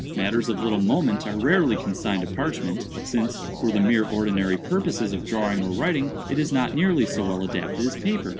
Matters of little moment are rarely consigned to parchment; since, for the mere ordinary purposes of drawing or writing, it is not nearly so well adapted as paper.